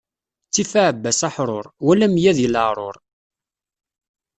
Ttif aɛebbas aḥṛuṛ, wala meyya di leɛṛuṛ.